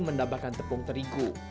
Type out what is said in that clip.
mendapatkan tepung terigu